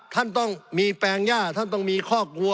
ท่านต้องมีแปลงย่าท่านต้องมีคอกวัว